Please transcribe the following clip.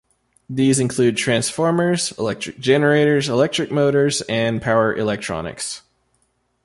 These include transformers, electric generators, electric motors and power electronics.